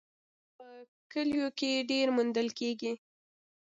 پسه په کلیو کې ډېر موندل کېږي.